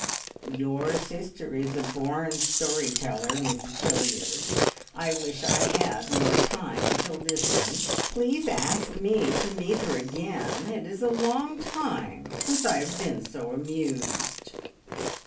"Your sister is a born story teller, Mrs Hilliard. I wish I had more time to listen. Please ask me to meet her again! It is a long time since I have been so amused."